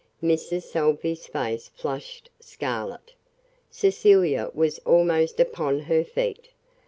Mrs. Salvey's face flushed scarlet. Cecilia was almost upon her feet.